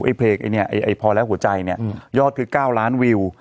ไอ้เพลงไอ้เนี้ยไอ้พอและหัวใจเนี้ยอืมยอดคือเก้าล้านวิว